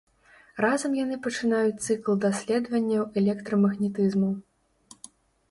Разам яны пачынаюць цыкл даследаванняў электрамагнетызму.